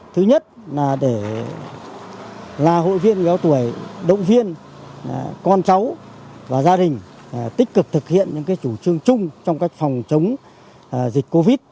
chúng tôi là hội viên cao tuổi động viên con cháu và gia đình tích cực thực hiện những chủ trương chung trong các phòng chống dịch covid